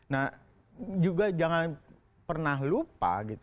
nah juga jangan pernah lupa gitu